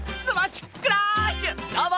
どうも！